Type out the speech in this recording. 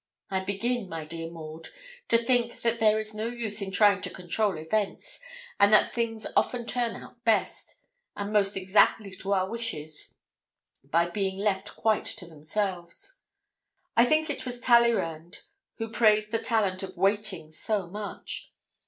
I begin, my dear Maud, to think that there is no use in trying to control events, and that things often turn out best, and most exactly to our wishes, by being left quite to themselves. I think it was Talleyrand who praised the talent of waiting so much.